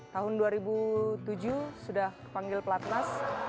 tahun dua ribu tujuh sudah dipanggil pelatmas